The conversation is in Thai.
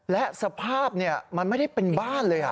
และสภาพมันไม่ได้เป็นบ้านเลย